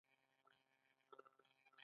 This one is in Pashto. ایا له حیواناتو سره اړیکه لرئ؟